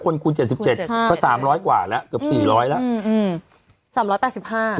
๕คนคูณ๗๗ก็๓๐๐กว่าแล้วเกือบ๔๐๐แล้วอืมอืม๓๘๕